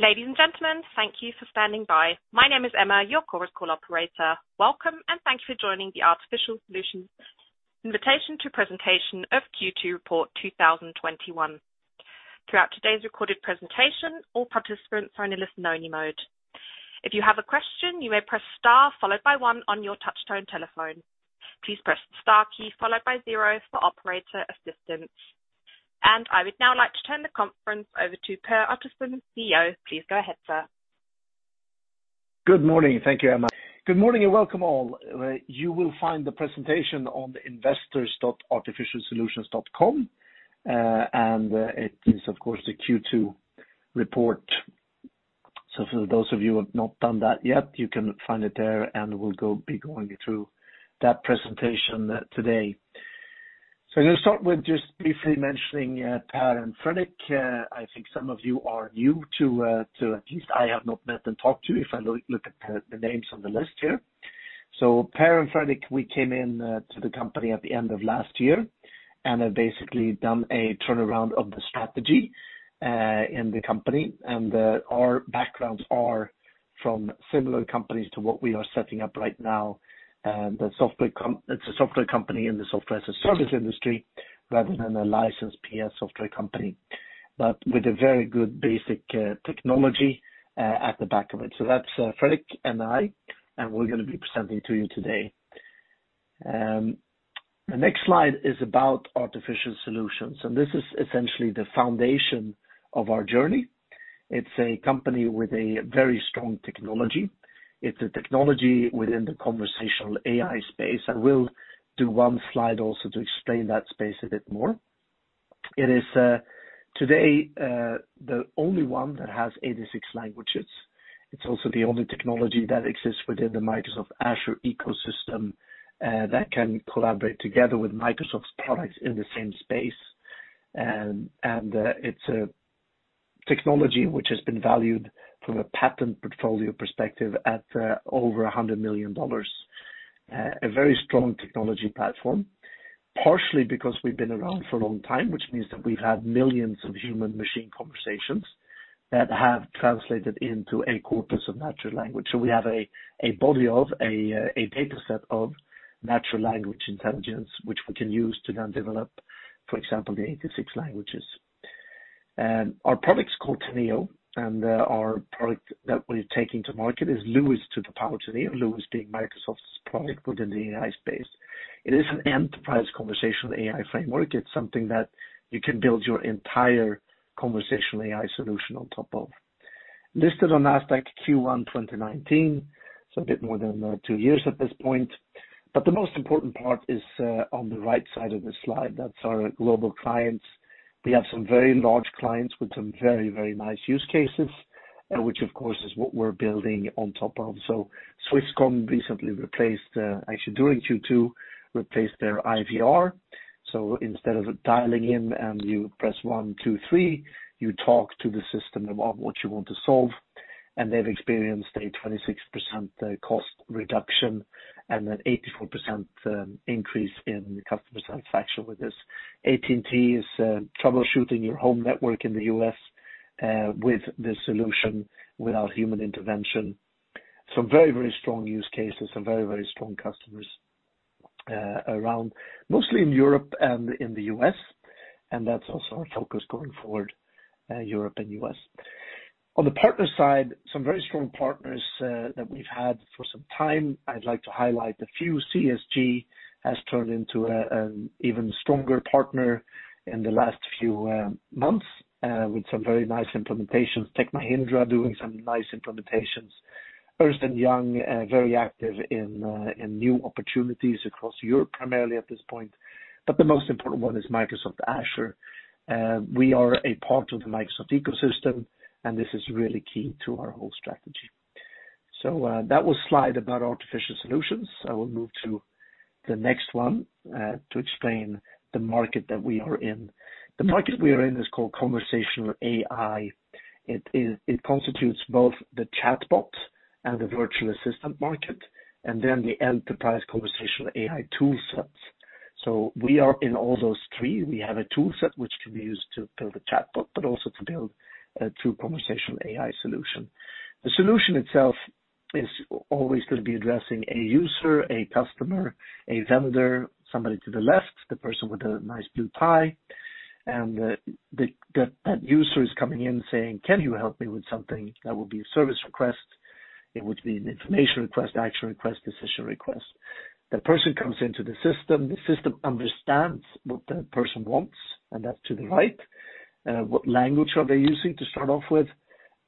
Ladies and gentlemen, thank you for standing by. My name is Emma, your Chorus Call operator. Welcome, and thank you for joining the Artificial Solutions Invitation to Presentation of Q2 Report 2021. Throughout today's recorded presentation, all participants are in a listen-only mode. If you have a question, you may press star followed by one on your touch-tone telephone. Please press star key followed by zero for operator assistance. I would now like to turn the conference over to Per Ottosson, CEO. Please go ahead, sir. Good morning. Thank you, Emma. Good morning, welcome all. You will find the presentation on the investors.artificialsolutions.com. It is of course the Q2 report. For those of you who have not done that yet, you can find it there, and we'll be going through that presentation today. I'm going to start with just briefly mentioning Per and Fredrik. I think some of you are new to, at least I have not met and talked to, if I look at the names on the list here. Per and Fredrik, we came in to the company at the end of last year and have basically done a turnaround of the strategy, in the company. Our backgrounds are from similar companies to what we are setting up right now. It's a software company in the software as a service industry rather than a licensed PS software company, with a very good basic technology at the back of it. That's Fredrik and I, we're going to be presenting to you today. The next slide is about Artificial Solutions, this is essentially the foundation of our journey. It's a company with a very strong technology. It's a technology within the Conversational AI space. I will do one slide also to explain that space a bit more. It is, today, the only one that has 86 languages. It's also the only technology that exists within the Microsoft Azure ecosystem, that can collaborate together with Microsoft's products in the same space. It's a technology which has been valued from a patent portfolio perspective at over $100 million. A very strong technology platform, partially because we've been around for a long time, which means that we've had millions of human machine conversations that have translated into a corpus of natural language. We have a body of a dataset of natural language intelligence, which we can use to then develop, for example, the 86 languages. Our product's called Teneo, and our product that we're taking to market is LUIS^Teneo. LUIS being Microsoft's product within the AI space. It is an enterprise conversational AI framework. It's something that you can build your entire conversational AI solution on top of. Listed on Nasdaq Q1 2019, so a bit more than two years at this point. The most important part is on the right side of the slide. That's our global clients. We have some very large clients with some very nice use cases, which of course is what we're building on top of. Swisscom recently replaced, actually during Q2, replaced their IVR. Instead of dialing in and you press one, two, three, you talk to the system about what you want to solve. They've experienced a 26% cost reduction and an 84% increase in customer satisfaction with this. AT&T is troubleshooting your home network in the U.S. with this solution without human intervention. Some very strong use cases, some very strong customers around, mostly in Europe and in the U.S., and that's also our focus going forward, Europe and U.S. On the partner side, some very strong partners that we've had for some time. I'd like to highlight a few. CSG has turned into an even stronger partner in the last few months, with some very nice implementations. Tech Mahindra doing some nice implementations. Ernst & Young very active in new opportunities across Europe primarily at this point. The most important one is Microsoft Azure. We are a part of the Microsoft ecosystem, and this is really key to our whole strategy. That was slide about Artificial Solutions. I will move to the next one, to explain the market that we are in. The market we are in is called Conversational AI. It constitutes both the chatbot and the virtual assistant market, and then the enterprise conversational AI tool sets. We are in all those three. We have a tool set which can be used to build a chatbot, but also to build a true Conversational AI solution. The solution itself is always going to be addressing a user, a customer, a vendor, somebody to the left, the person with a nice blue tie. That user is coming in saying, "Can you help me with something?" That would be a service request. It would be an information request, action request, decision request. That person comes into the system. The system understands what that person wants, and that's to the right. What language are they using to start off with,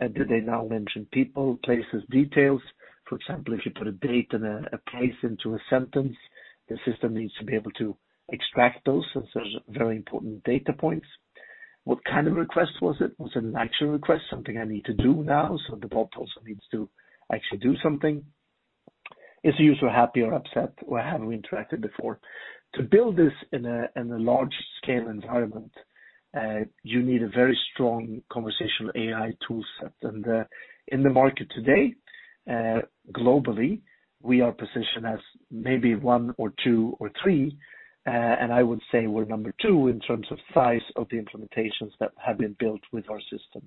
and do they now mention people, places, details? For example, if you put a date and a place into a sentence, the system needs to be able to extract those since those are very important data points. What kind of request was it? Was it an action request, something I need to do now? The bot also needs to actually do something. Is the user happy or upset or have we interacted before? To build this in a large-scale environment, you need a very strong Conversational AI tool set. In the market today, globally, we are positioned as maybe one or two or three, and I would say we're number two in terms of size of the implementations that have been built with our system.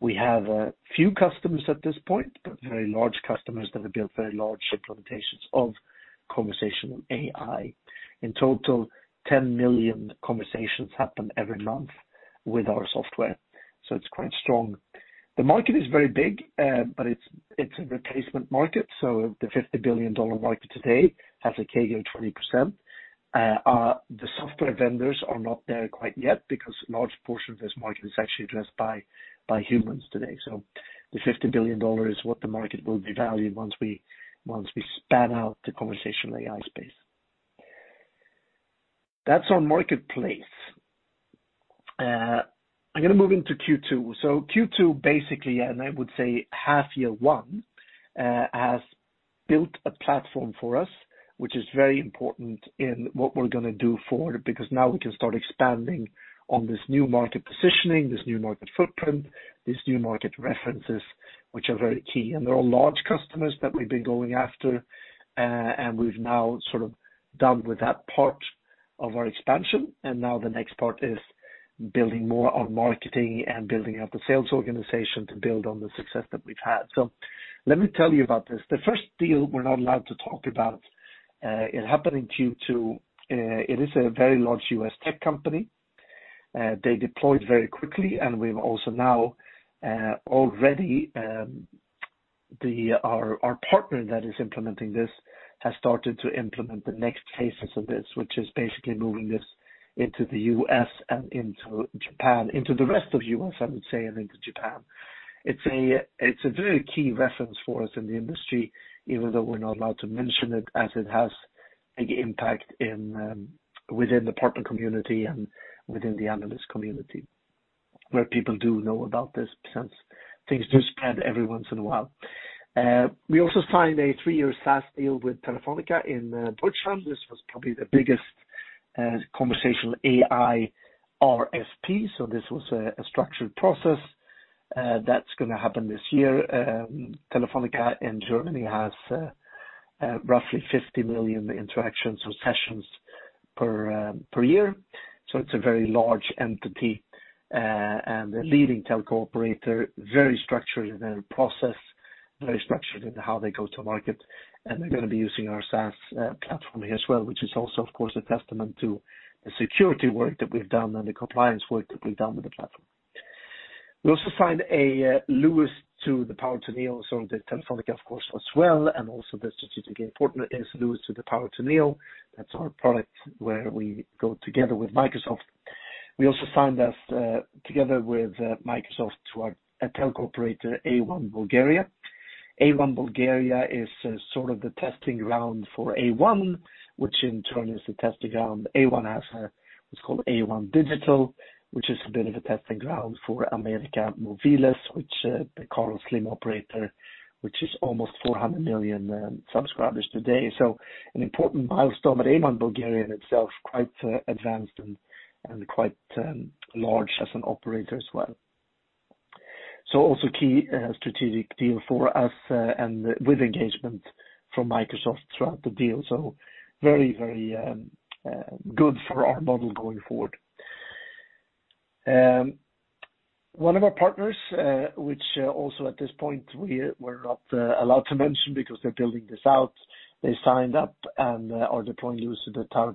We have a few customers at this point, but very large customers that have built very large implementations of Conversational AI. In total, 10 million conversations happen every month with our software, so it's quite strong. The market is very big, but it's a replacement market, so the $50 billion market today has a CAGR of 20%. The software vendors are not there quite yet because a large portion of this market is actually addressed by humans today. The $50 billion is what the market will be valued once we span out the Conversational AI space. That's our marketplace. I'm going to move into Q2. Q2, basically, and I would say half year one, has built a platform for us, which is very important in what we're going to do forward, because now we can start expanding on this new market positioning, this new market footprint, these new market references, which are very key. They're all large customers that we've been going after, and we've now sort of done with that part of our expansion. Now the next part is building more on marketing and building out the sales organization to build on the success that we've had. Let me tell you about this. The first deal we're not allowed to talk about. It happened in Q2. It is a very large U.S. tech company. They deployed very quickly, and we've also now, our partner that is implementing this has started to implement the next phases of this, which is basically moving this into the U.S. and into Japan, into the rest of U.S., I would say, and into Japan. It's a very key reference for us in the industry, even though we're not allowed to mention it as it has big impact within the partner community and within the analyst community, where people do know about this since things do spread every once in a while. We also signed a three-year SaaS deal with Telefónica Deutschland. This was probably the biggest conversational AI RFP. This was a structured process. That's going to happen this year. Telefónica Deutschland has roughly 50 million interactions or sessions per year. It's a very large entity, and a leading telco operator, very structured in their process, very structured in how they go to market. They're going to be using our SaaS platform here as well, which is also, of course, a testament to the security work that we've done and the compliance work that we've done with the platform. We also signed a LUIS^Teneo, so the Telefónica of course as well, and also the strategic important is LUIS^Teneo. That's our product where we go together with Microsoft. We also signed us together with Microsoft to a telco operator, A1 Bulgaria. A1 Bulgaria is sort of the testing ground for A1, which in turn is the testing ground. A1 has what's called A1 Digital, which is a bit of a testing ground for América Móvil, which the Carlos Slim operator, which is almost 400 million subscribers today. An important milestone, but A1 Bulgaria in itself, quite advanced and quite large as an operator as well. Also key strategic deal for us, and with engagement from Microsoft throughout the deal. Very good for our model going forward. One of our partners, which also at this point we were not allowed to mention because they're building this out, they signed up and are deploying LUIS^Teneo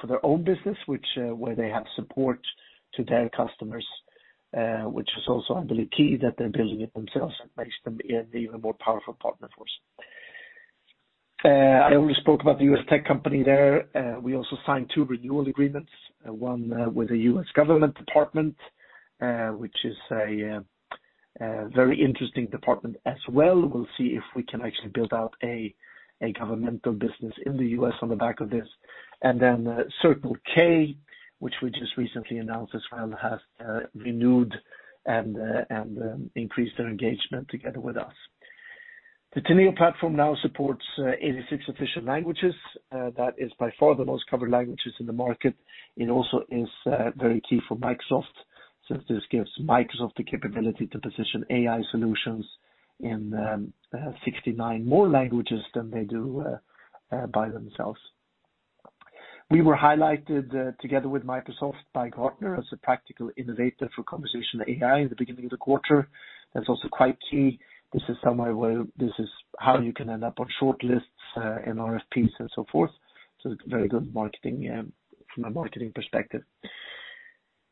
for their own business, where they have support to their customers, which is also, I believe, key that they're building it themselves. It makes them an even more powerful partner for us. I already spoke about the U.S. tech company there. We also signed two renewal agreements, one with a U.S. government department, which is a very interesting department as well. We'll see if we can actually build out a governmental business in the U.S. on the back of this. Circle K, which we just recently announced as well, has renewed and increased their engagement together with us. The Teneo platform now supports 86 official languages. That is by far the most covered languages in the market. It also is very key for Microsoft, since this gives Microsoft the capability to position AI solutions in 69 more languages than they do by themselves. We were highlighted together with Microsoft by Gartner as a practical innovator for conversational AI in the beginning of the quarter. That's also quite key. This is how you can end up on shortlists, RFPs and so forth. It's very good from a marketing perspective.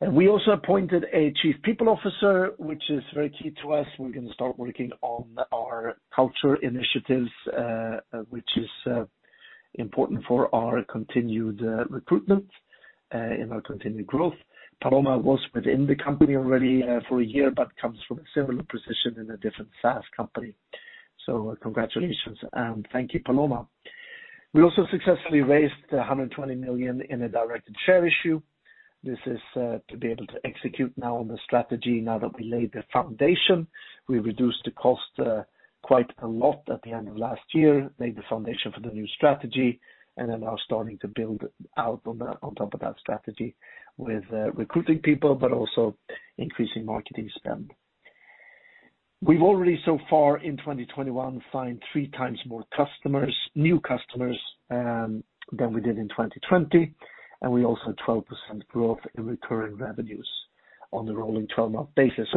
We also appointed a Chief People Officer, which is very key to us. We're going to start working on our culture initiatives, which is important for our continued recruitment and our continued growth. Paloma was within the company already for a year, but comes from a similar position in a different SaaS company. Congratulations and thank you, Paloma. We also successfully raised 120 million in a directed share issue. This is to be able to execute now on the strategy now that we laid the foundation. We reduced the cost quite a lot at the end of last year, laid the foundation for the new strategy, and then are starting to build out on top of that strategy with recruiting people, but also increasing marketing spend. We've already so far in 2021 signed three times more new customers than we did in 2020, and we also had 12% growth in recurring revenues on the rolling 12-month basis.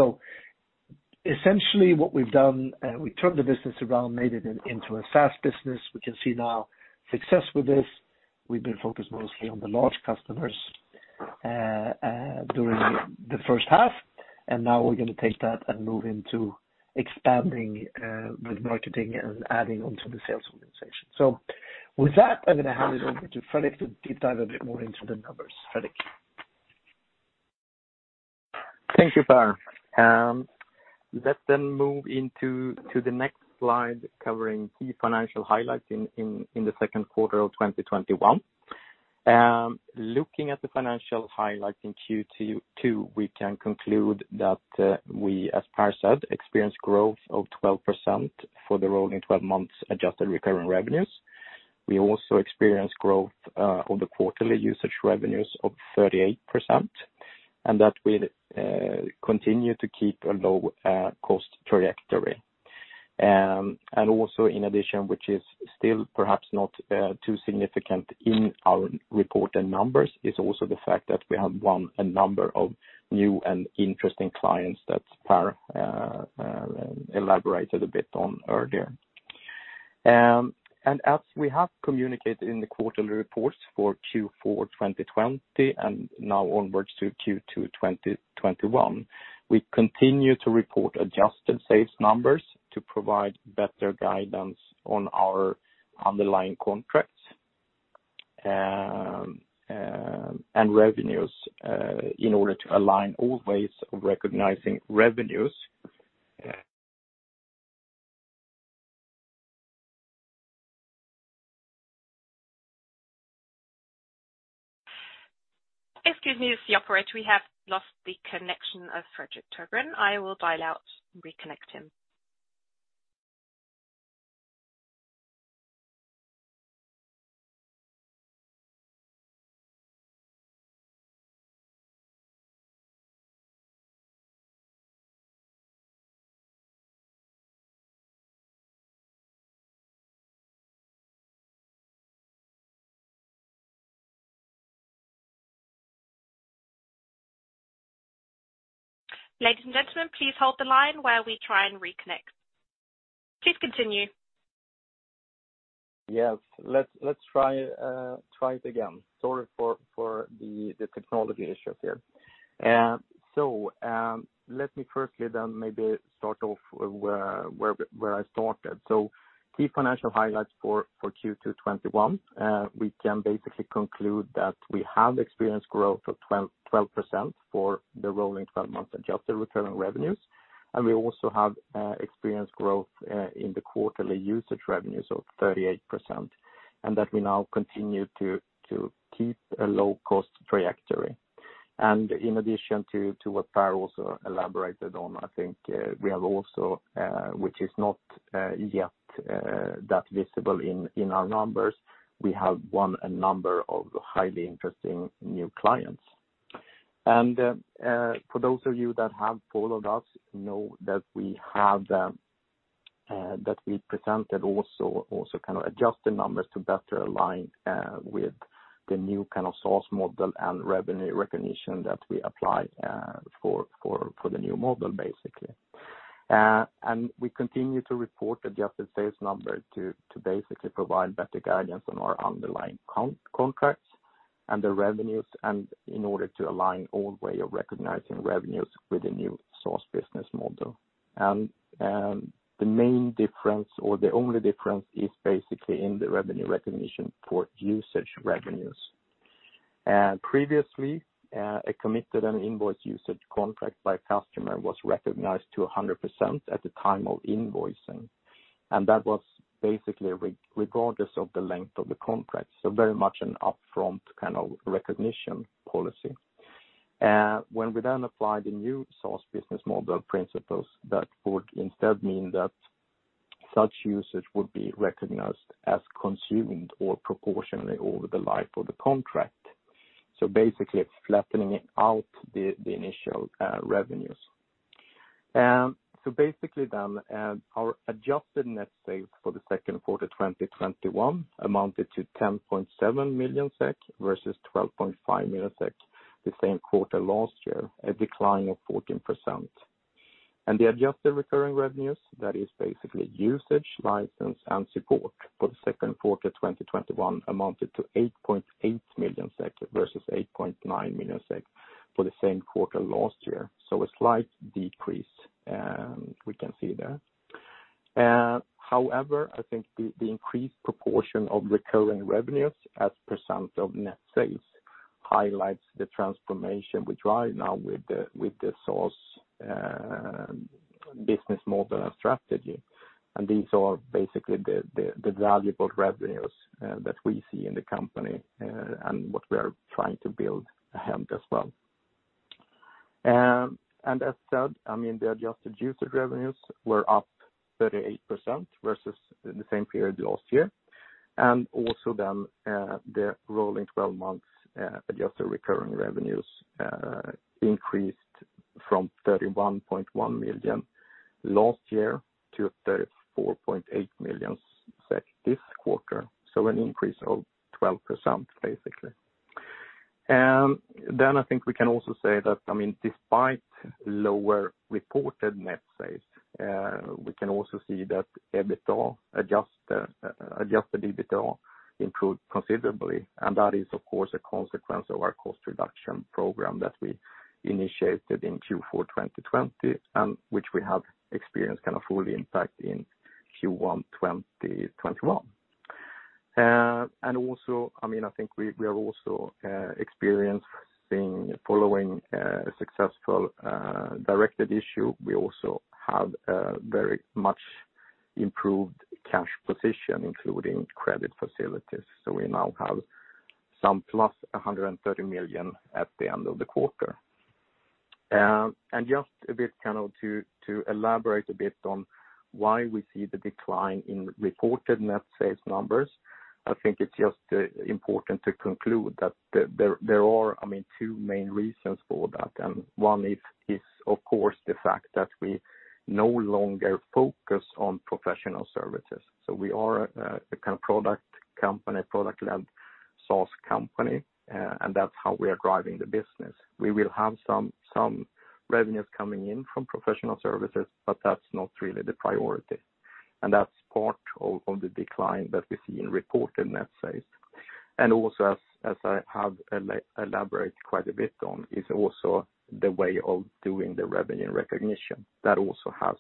Essentially what we've done, we turned the business around, made it into a SaaS business. We can see now success with this. We've been focused mostly on the large customers during the first half, and now we're going to take that and move into expanding with marketing and adding onto the sales organization. With that, I'm going to hand it over to Fredrik to deep dive a bit more into the numbers. Fredrik? Thank you, Per. Let's move into the next slide, covering key financial highlights in the second quarter of 2021. Looking at the financial highlights in Q2, we can conclude that we, as Per said, experienced growth of 12% for the rolling 12 months adjusted recurring revenues. We also experienced growth on the quarterly usage revenues of 38%, and that we continue to keep a low cost trajectory. Also in addition, which is still perhaps not too significant in our reported numbers, is also the fact that we have won a number of new and interesting clients that Per elaborated a bit on earlier. As we have communicated in the quarterly reports for Q4 2020 and now onwards to Q2 2021, we continue to report adjusted sales numbers to provide better guidance on our underlying contracts, and revenues, in order to align all ways of recognizing revenues. Excuse me. This is the operator. We have lost the connection of Fredrik Törgren. I will dial out and reconnect him. Ladies and gentlemen, please hold the line while we try and reconnect. Please continue. Yes. Let's try it again. Sorry for the technology issues here. Let me firstly then maybe start off where I started. Key financial highlights for Q2 2021. We can basically conclude that we have experienced growth of 12% for the rolling 12 months adjusted recurring revenues. We also have experienced growth in the quarterly usage revenues of 38%, and that we now continue to keep a low cost trajectory. In addition to what Per also elaborated on, I think we have also, which is not yet that visible in our numbers, we have won a number of highly interesting new clients. For those of you that have followed us know that we presented also kind of adjusted numbers to better align with the new kind of SaaS model and revenue recognition that we apply for the new model, basically. We continue to report adjusted sales numbers to basically provide better guidance on our underlying contracts and the revenues, in order to align own way of recognizing revenues with the new SaaS business model. The main difference or the only difference is basically in the revenue recognition for usage revenues. Previously, a committed and invoiced usage contract by a customer was recognized to 100% at the time of invoicing, and that was basically regardless of the length of the contract. Very much an upfront kind of recognition policy. When we then apply the new SaaS business model principles, that would instead mean that such usage would be recognized as consumed or proportionally over the life of the contract. Basically flattening out the initial revenues. Our adjusted net sales for the second quarter 2021 amounted to 10.7 million SEK versus 12.5 million SEK the same quarter last year, a decline of 14%. The adjusted recurring revenues, that is basically usage, license, and support for the second quarter 2021 amounted to 8.8 million SEK versus 8.9 million SEK for the same quarter last year. A slight decrease we can see there. However, I think the increased proportion of recurring revenues as percent of net sales highlights the transformation which right now with the SaaS business model and strategy. These are basically the valuable revenues that we see in the company, and what we are trying to build ahead as well. As said, the adjusted usage revenues were up 38% versus the same period last year. The rolling 12 months adjusted recurring revenues increased from 31.1 million last year to 34.8 million this quarter. An increase of 12%, basically. I think we can also say that, despite lower reported net sales, we can also see that adjusted EBITDA improved considerably. That is, of course, a consequence of our cost reduction program that we initiated in Q4 2020, and which we have experienced kind of full impact in Q1 2021. I think we have also experienced following a successful directed issue. We also have a very much improved cash position, including credit facilities. We now have some plus 130 million at the end of the quarter. Just a bit kind of to elaborate a bit on why we see the decline in reported net sales numbers. I think it's just important to conclude that there are two main reasons for that. One is, of course, the fact that we no longer focus on professional services. We are a kind of product company, product-led SaaS company, and that's how we are driving the business. We will have some revenues coming in from professional services, but that's not really the priority. That's part of the decline that we see in reported net sales. Also, as I have elaborated quite a bit on, is also the way of doing the revenue recognition. That also has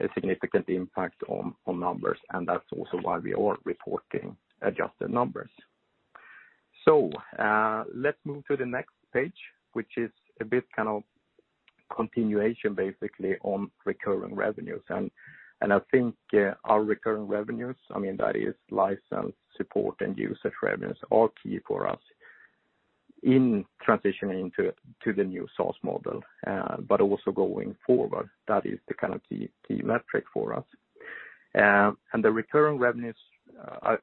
a significant impact on numbers, and that's also why we are reporting adjusted numbers. Let's move to the next page, which is a bit kind of continuation, basically, on recurring revenues. I think our recurring revenues, that is license support and usage revenues, are key for us in transitioning to the new SaaS model, but also going forward. That is the kind of key metric for us. The recurring revenues,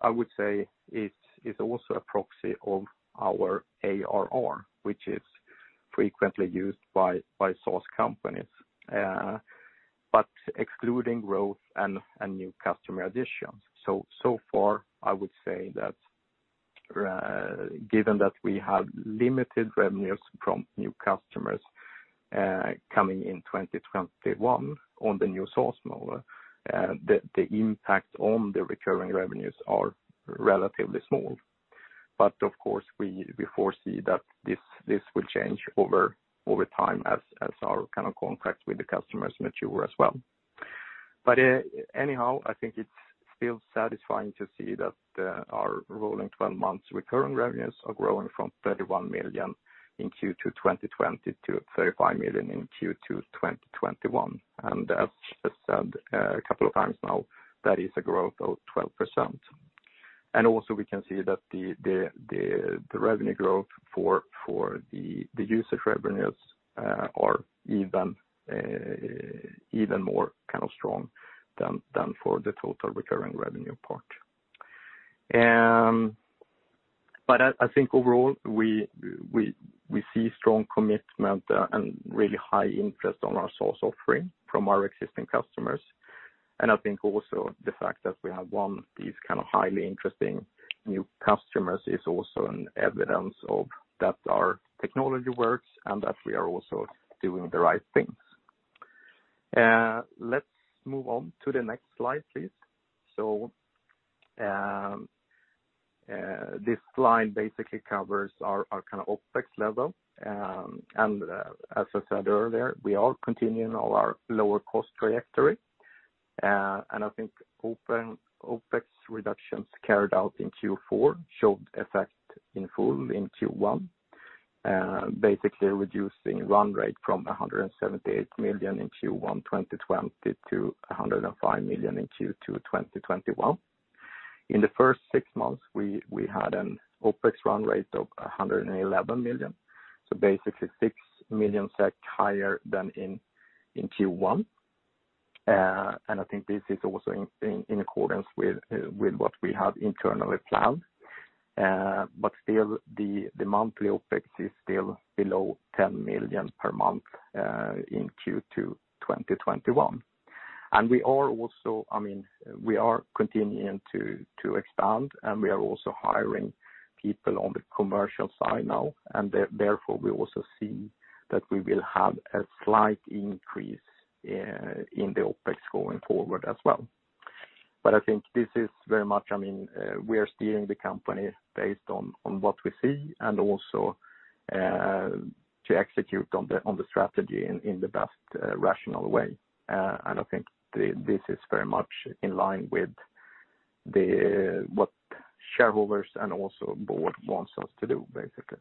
I would say, is also a proxy of our ARR, which is frequently used by SaaS companies, but excluding growth and new customer additions. I would say that given that we have limited revenues from new customers coming in 2021 on the new SaaS model, the impact on the recurring revenues are relatively small. Of course, we foresee that this will change over time as our kind of contracts with the customers mature as well. Anyhow, I think it feels satisfying to see that our rolling 12 months recurring revenues are growing from 31 million in Q2 2020 to 35 million in Q2 2021. As I said a couple of times now, that is a growth of 12%. Also we can see that the revenue growth for the usage revenues are even more kind of strong than for the total recurring revenue part. I think overall, we see strong commitment and really high interest on our SaaS offering from our existing customers. I think also the fact that we have won these kind of highly interesting new customers is also an evidence of that our technology works and that we are also doing the right things. Let's move on to the next slide, please. This slide basically covers our kind of OpEx level. As I said earlier, we are continuing on our lower cost trajectory. I think OpEx reductions carried out in Q4 showed effect in full in Q1, basically reducing run rate from 178 million in Q1 2020 to 105 million in Q2 2021. In the first 6 months, we had an OpEx run rate of 111 million. Basically 6 million SEK higher than in Q1. I think this is also in accordance with what we have internally planned. Still, the monthly OpEx is still below 10 million per month in Q2 2021. We are continuing to expand, and we are also hiring people on the commercial side now. Therefore, we also see that we will have a slight increase in the OpEx going forward as well. I think this is very much, we are steering the company based on what we see and also to execute on the strategy in the best rational way. I think this is very much in line with what shareholders and also board wants us to do, basically.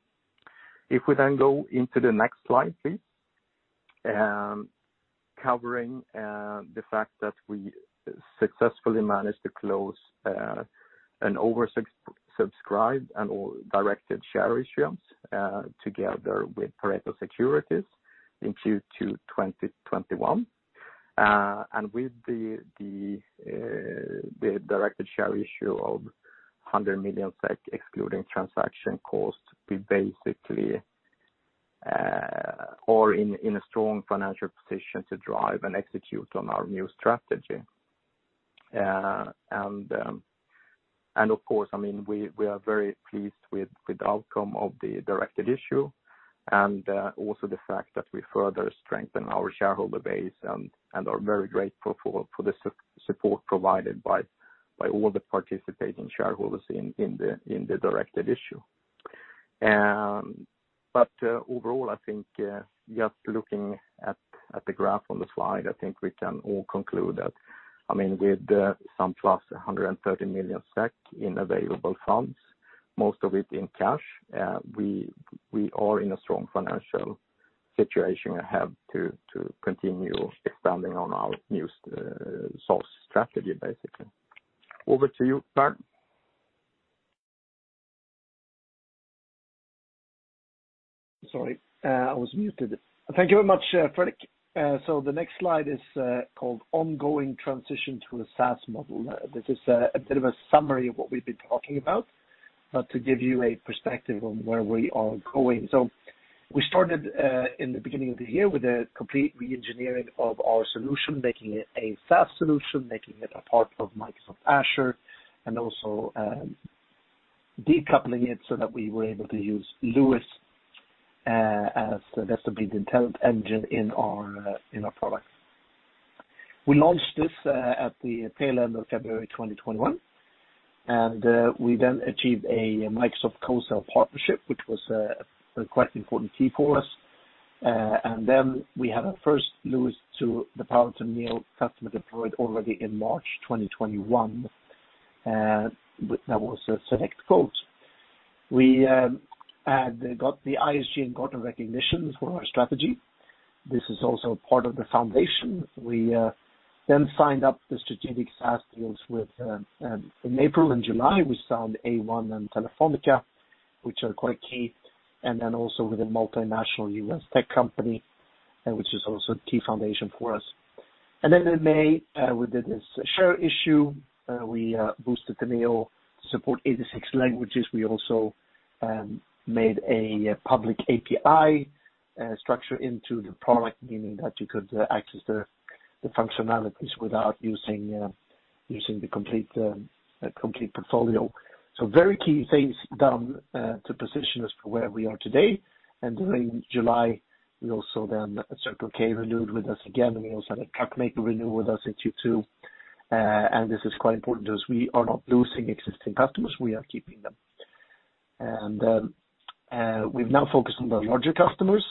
If we then go into the next slide, please. Covering the fact that we successfully managed to close an oversubscribed and directed share issuance, together with Pareto Securities in Q2 2021. With the directed share issue of 100 million SEK, excluding transaction cost, we basically are in a strong financial position to drive and execute on our new strategy. Of course, we are very pleased with the outcome of the directed issue and also the fact that we further strengthen our shareholder base and are very grateful for the support provided by all the participating shareholders in the directed issue. Overall, I think just looking at the graph on the slide, I think we can all conclude that with some plus 130 million SEK in available funds, most of it in cash, we are in a strong financial situation ahead to continue expanding on our new strategy, basically. Over to you, Per. Sorry, I was muted. Thank you very much, Fredrik. The next slide is called Ongoing Transition to a SaaS Model. This is a bit of a summary of what we've been talking about, but to give you a perspective on where we are going. We started in the beginning of the year with a complete re-engineering of our solution, making it a SaaS solution, making it a part of Microsoft Azure, and also decoupling it so that we were able to use LUIS as the best intelligence engine in our product. We launched this at the tail end of February 2021, we then achieved a Microsoft co-sell partnership, which was a quite important key for us. We had our first LUIS^Teneo customer deployed already in March 2021. That was a SelectQuote. We had got the ISG and Gartner recognitions for our strategy. This is also part of the foundation. We signed up the strategic SaaS deals in April and July. We signed A1 and Telefónica, which are quite key, and also with a multinational U.S. tech company, which is also a key foundation for us. In May, we did this share issue. We boosted Teneo to support 86 languages. We also made a public API structure into the product, meaning that you could access the functionalities without using the complete portfolio. Very key things done to position us to where we are today. During July, we also Circle K renewed with us again, and we also had Capmaker renew with us in Q2. This is quite important to us. We are not losing existing customers. We are keeping them. We've now focused on the larger customers,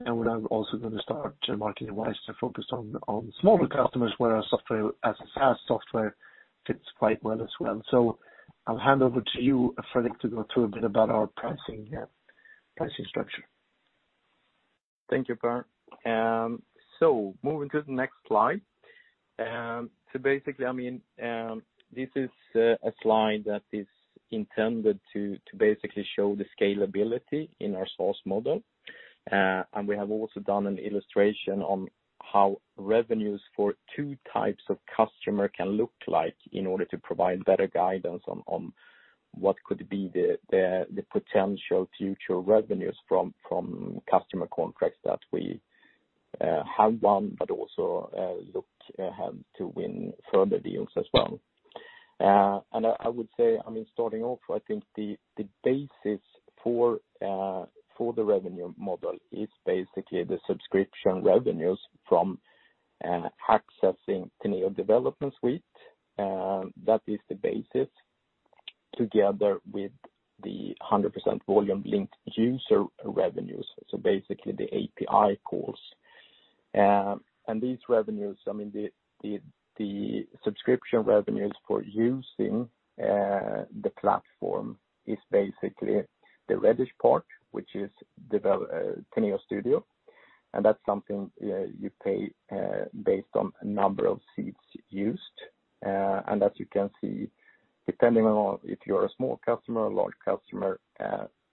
and we're now also going to start marketing-wise to focus on smaller customers, where our software as a SaaS software fits quite well as well. I'll hand over to you, Fredrik, to go through a bit about our pricing structure. Thank you, Per. Moving to the next slide. This is a slide that is intended to show the scalability in our source model. We have also done an illustration on how revenues for two types of customer can look like in order to provide better guidance on what could be the potential future revenues from customer contracts that we have won, but also look ahead to win further deals as well. Starting off, I think the basis for the revenue model is the subscription revenues from accessing Teneo Development Suite. That is the basis together with the 100% volume-linked user revenues, so the API calls. These revenues, the subscription revenues for using the platform is the reddish part, which is Teneo Studio. That's something you pay based on a number of seats used. As you can see, depending on if you're a small customer or a large customer,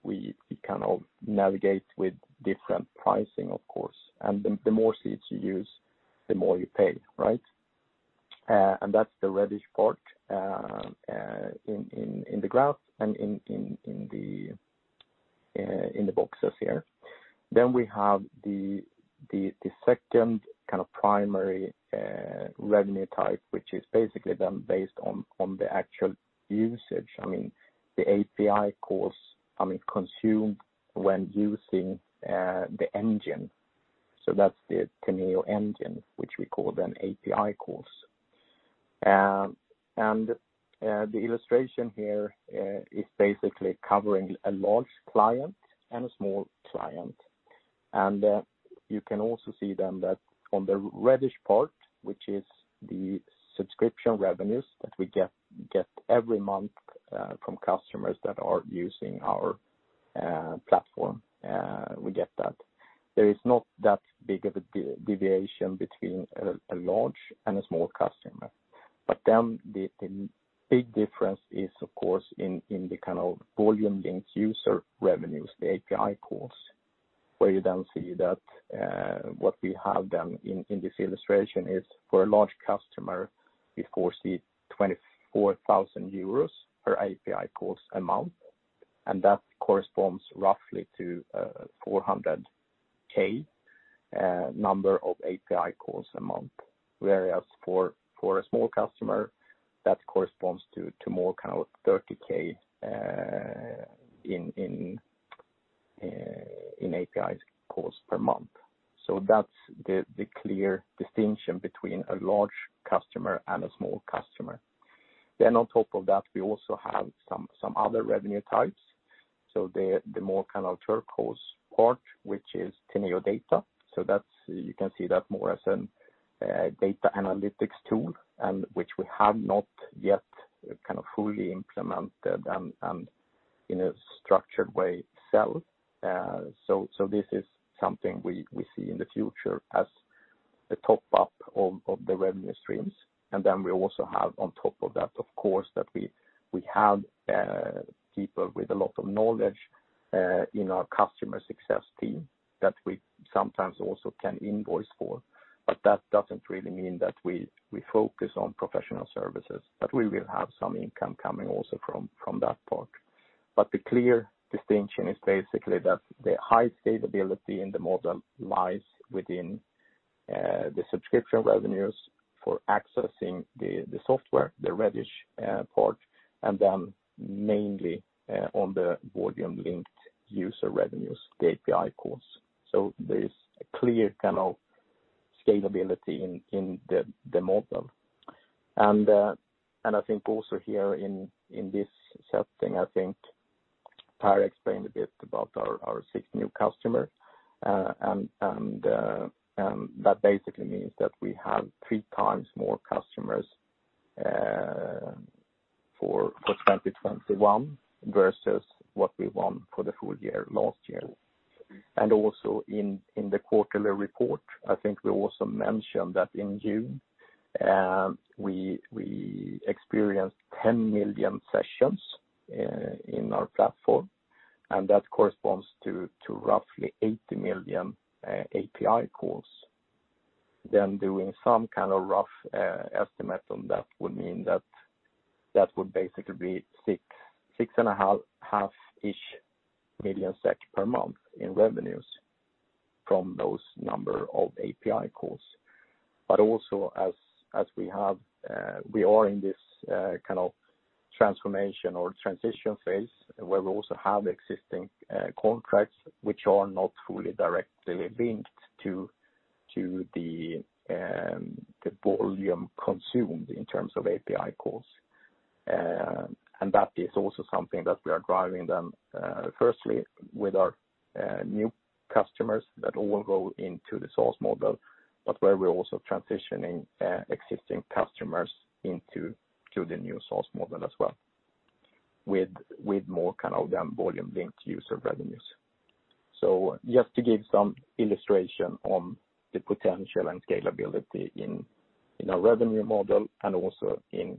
we kind of navigate with different pricing, of course. The more seats you use, the more you pay. That's the reddish part in the graph and in the boxes here. We have the second kind of primary revenue type, which is basically then based on the actual usage, the API calls consumed when using the engine. That's the Teneo Engine, which we call then API calls. The illustration here is basically covering a large client and a small client. You can also see then that on the reddish part, which is the subscription revenues that we get every month from customers that are using our platform, we get that. There is not that big of a deviation between a large and a small customer. The big difference is, of course, in the kind of volume-linked user revenues, the API calls, where you see that what we have in this illustration is for a large customer, we, of course, see €24,000 per API calls a month, and that corresponds roughly to 400K number of API calls a month. Whereas for a small customer, that corresponds to more kind of 30K in API calls per month. That's the clear distinction between a large customer and a small customer. On top of that, we also have some other revenue types. The more kind of turquoise part, which is Teneo Data. You can see that more as a data analytics tool, and which we have not yet kind of fully implemented and in a structured way sell. This is something we see in the future as a top-up of the revenue streams. We also have on top of that, of course, that we have people with a lot of knowledge in our customer success team that we sometimes also can invoice for. That doesn't really mean that we focus on professional services. We will have some income coming also from that part. The clear distinction is basically that the high scalability in the model lies within the subscription revenues for accessing the software, the reddish part, and then mainly on the volume-linked user revenues, the API calls. There is a clear kind of scalability in the model. I think also here in this setting, I think Per explained a bit about our six new customers, that basically means that we have three times more customers for 2021 versus what we won for the full year last year. Also in the quarterly report, I think we also mentioned that in June, we experienced 10 million sessions in our platform, that corresponds to roughly 80 million API calls. Doing some kind of rough estimate on that would mean that that would basically be six and a half-ish million SEK per month in revenues from those number of API calls. Also as we are in this kind of transformation or transition phase where we also have existing contracts which are not fully directly linked to the volume consumed in terms of API calls. That is also something that we are driving them, firstly, with our new customers that all go into the SaaS model, but where we're also transitioning existing customers into the new SaaS model as well with more kind of volume-linked user revenues. Just to give some illustration on the potential and scalability in our revenue model and also in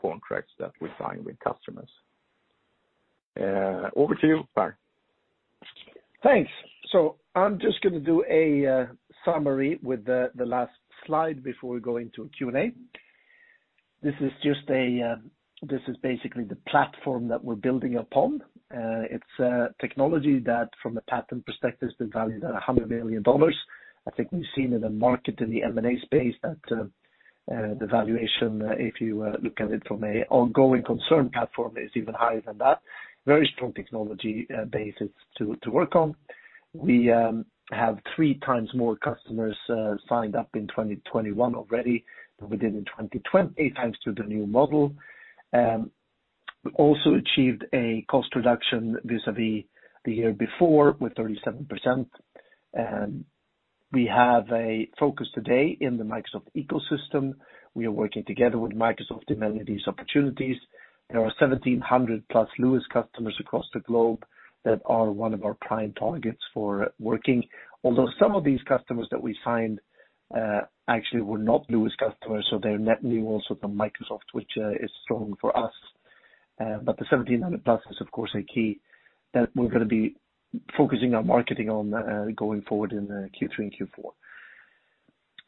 contracts that we sign with customers. Over to you, Per. Thanks. I'm just going to do a summary with the last slide before we go into Q&A. This is basically the platform that we're building upon. It's a technology that from a patent perspective has been valued at $100 million. I think we've seen in the market in the M&A space that the valuation, if you look at it from a ongoing concern platform, is even higher than that. Very strong technology basis to work on. We have three times more customers signed up in 2021 already than we did in 2020, thanks to the new model. We also achieved a cost reduction vis-á-vis the year before with 37%. We have a focus today in the Microsoft ecosystem. We are working together with Microsoft to manage these opportunities. There are 1,700 plus LUIS customers across the globe that are one of our prime targets for working. Some of these customers that we signed actually were not LUIS customers, so they're net new also from Microsoft, which is strong for us. The 1,700+ is, of course, a key that we're going to be focusing our marketing on going forward in Q3 and Q4.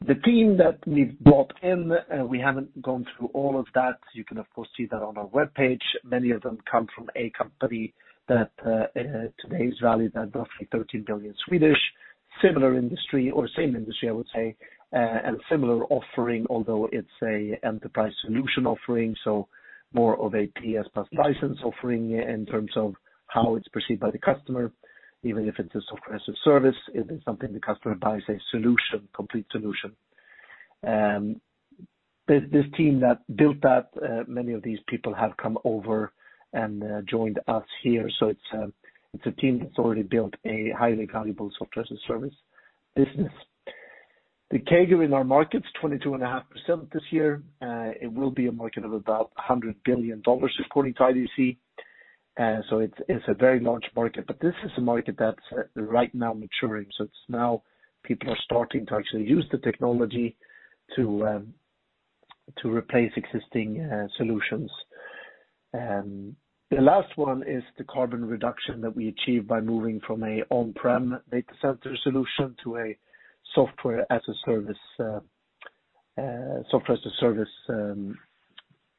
The team that we've brought in, we haven't gone through all of that. You can, of course, see that on our webpage. Many of them come from a company that today is valued at roughly 13 billion. Similar industry or the same industry, I would say, and a similar offering, although it's a enterprise solution offering, so more of a Teneo plus license offering in terms of how it's perceived by the customer, even if it's a software as a service, it is something the customer buys a solution, complete solution. This team that built that, many of these people have come over and joined us here. It's a team that's already built a highly valuable Software as a Service business. The CAGR in our market is 22.5% this year. It will be a market of about $100 billion according to IDC. It's a very large market. This is a market that's right now maturing. It's now people are starting to actually use the technology to replace existing solutions. The last one is the carbon reduction that we achieve by moving from a on-prem data center solution to a Software as a Service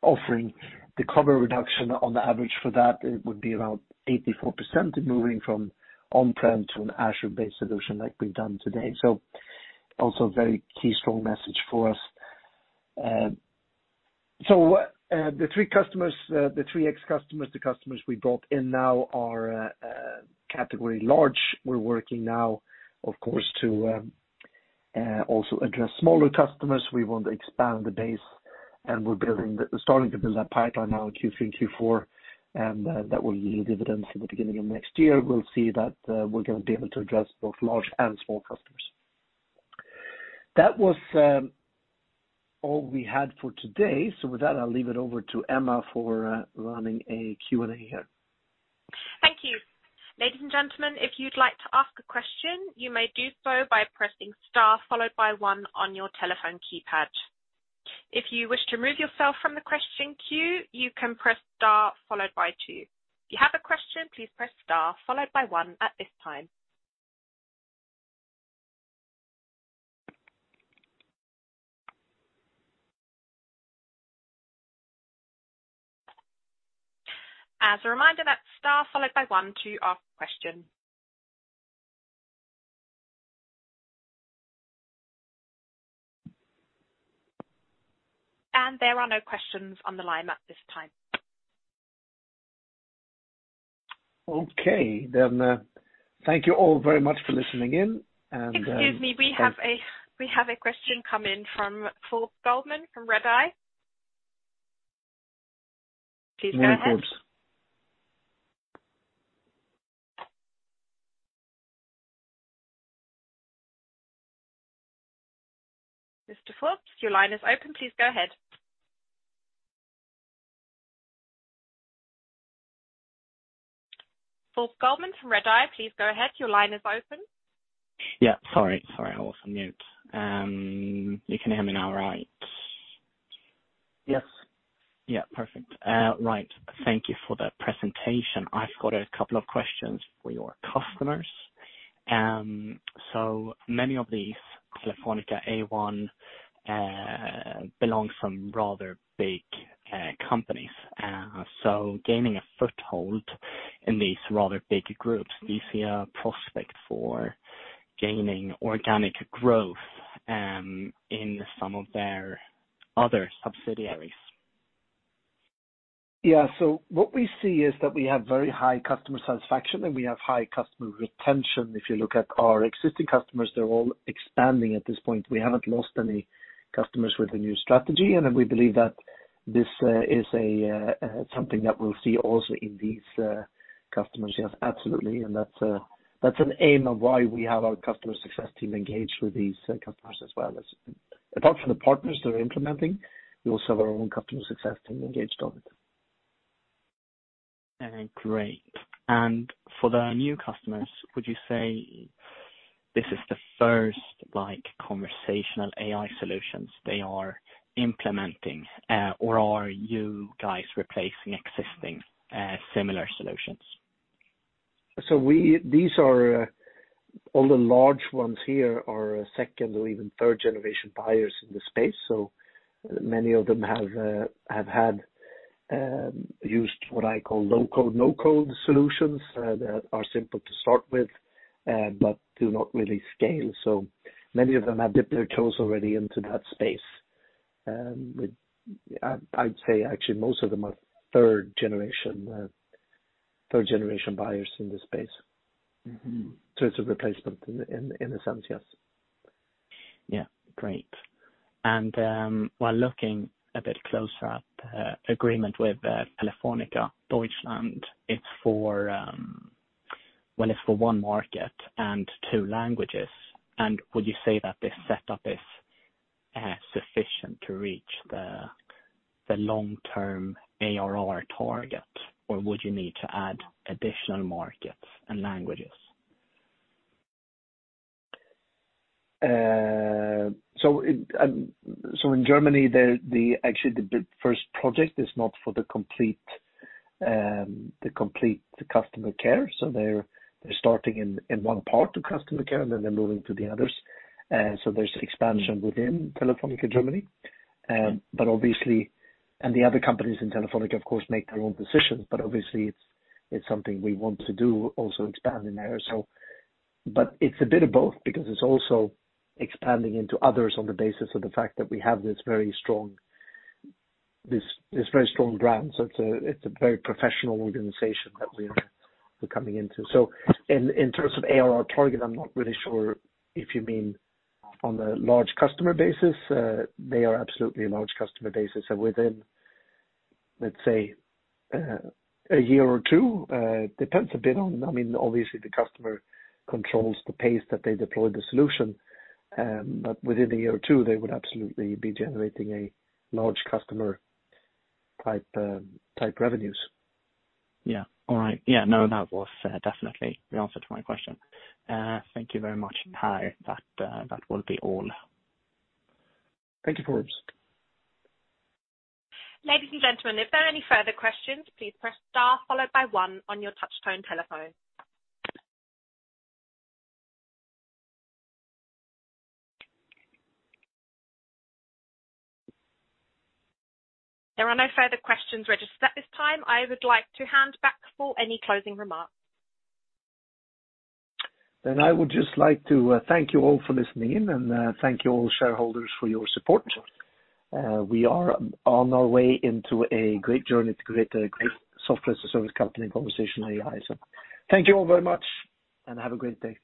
offering. The carbon reduction on the average for that, it would be around 84% moving from on-prem to an Azure-based solution like we've done today. Also a very key strong message for us. The three X customers, the customers we brought in now are category large. We're working now, of course, to also address smaller customers. We want to expand the base, we're starting to build that pipeline now in Q3, Q4, and that will yield dividends at the beginning of next year. We'll see that we're going to be able to address both large and small customers. That was all we had for today. With that, I'll leave it over to Emma for running a Q&A here. Thank you. Ladies and gentlemen, if you'd like to ask a question, you may do so by pressing star followed by one on your telephone keypad. If you wish to remove yourself from the question queue, you can press star followed by two. If you have a question, please press star followed by one at this time. As a reminder, that's star followed by one to ask a question. And there are no questions on the line at this time. Okay. Thank you all very much for listening in. Excuse me, we have a question come in from Forbes Goldman from Redeye. Please go ahead. No, Forbes. Mr. Forbes, your line is open. Please go ahead. Forbes Goldman from Redeye, please go ahead. Your line is open. Yeah. Sorry, I was on mute. You can hear me now, right? Yes. Yeah, perfect. Right. Thank you for the presentation. I've got a couple of questions for your customers. Many of these, Telefónica, A1, belongs from rather big companies. Gaining a foothold in these rather big groups, do you see a prospect for gaining organic growth in some of their other subsidiaries? Yeah. What we see is that we have very high customer satisfaction, and we have high customer retention. If you look at our existing customers, they're all expanding at this point. We haven't lost any customers with the new strategy. We believe that this is something that we'll see also in these customers. Yes, absolutely. That's an aim of why we have our customer success team engaged with these customers as well. Apart from the partners that are implementing, we also have our own customer success team engaged on it. Great. For the new customers, would you say this is the first conversational AI solutions they are implementing? Are you guys replacing existing similar solutions? All the large ones here are second- or even third-generation buyers in the space. Many of them have used what I call low-code, no-code solutions that are simple to start with, but do not really scale. Many of them have dipped their toes already into that space. I'd say actually most of them are third-generation buyers in the space. It's a replacement in essence, yes. Yeah. Great. While looking a bit closer at agreement with Telefónica Deutschland, it's for one market and two languages. Would you say that this setup is sufficient to reach the long-term ARR target? Or would you need to add additional markets and languages? In Germany, actually the first project is not for the complete customer care. They're starting in one part of customer care, and then they're moving to the others. There's expansion within Telefónica Germany. The other companies in Telefónica, of course, make their own decisions. Obviously it's something we want to do, also expand in there. It's a bit of both because it's also expanding into others on the basis of the fact that we have this very strong brand. It's a very professional organization that we're coming into. In terms of ARR target, I'm not really sure if you mean on the large customer basis. They are absolutely a large customer basis, and within, let's say, a year or two, depends a bit on, obviously the customer controls the pace that they deploy the solution. Within a year or two, they would absolutely be generating a large customer-type revenues. Yeah. All right. Yeah, no, that was definitely the answer to my question. Thank you very much. That will be all. Thank you, Forbes. Ladies and gentlemen, if there are any further questions, please press star followed by one on your touchtone telephone. There are no further questions registered at this time. I would like to hand back for any closing remarks. I would just like to thank you all for listening in, and thank you all shareholders for your support. We are on our way into a great journey to create a great software as a service company in conversational AI. Thank you all very much, and have a great day.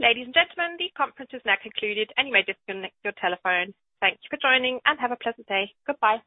Ladies and gentlemen, the conference is now concluded. You may disconnect your telephone. Thank you for joining, and have a pleasant day. Goodbye.